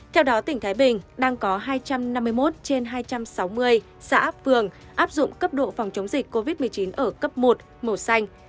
theo đó tỉnh thái bình đang có hai trăm năm mươi một trên hai trăm sáu mươi xã phường áp dụng cấp độ phòng chống dịch covid một mươi chín ở cấp một màu xanh